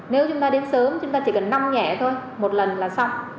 nếu chúng ta đến sớm chúng ta chỉ cần nông nhẹ thôi một lần là xong